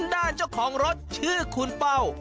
ด้านเจ้าของรถชื่อคุณเป้า